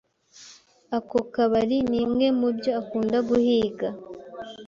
Ako kabari nimwe mubyo akunda guhiga.